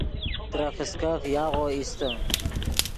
ترے فسکف یاغو ایستے